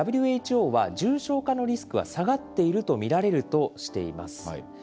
ＷＨＯは、重症化のリスクは下がっていると見られるとしています。